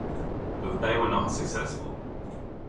But they were not successful.